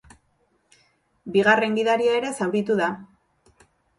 Bigarren gidaria ere zauritu da.